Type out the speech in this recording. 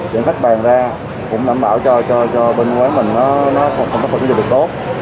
để khách bàn ra cũng đảm bảo cho bên quán mình nó phục vụ được tốt